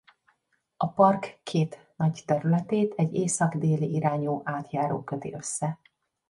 A park két nagy területét egy észak-déli irányú átjáró köti össze.